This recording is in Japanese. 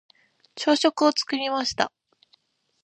朝食を作りました。